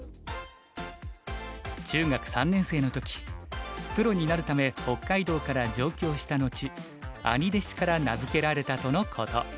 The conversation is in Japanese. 中学３年生の時プロになるため北海道から上京した後兄弟子から名づけられたとのこと。